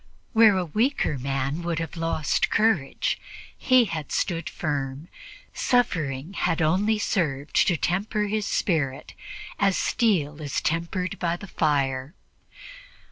Where a weaker man would have lost courage, he had stood firm; suffering had only served to temper his spirit, as steel is tempered by the fire.